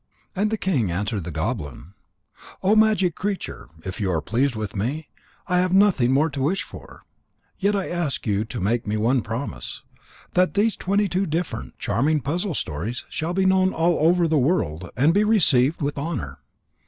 And the king answered the goblin: "O magic creature, if you are pleased with me, I have nothing more to wish for. Yet I ask you to make me one promise, that these twenty two different, charming puzzle stories shall be known all over the world and be received with honour."